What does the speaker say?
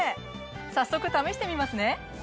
早速試してみますね！